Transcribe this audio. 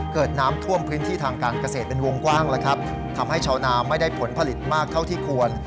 เกิดน้ำท่วมพื้นที่ทางการเกษตรเป็นวงกว้างแล้วครับทำให้ชาวนาไม่ได้ผลผลิตมากเท่าที่ควร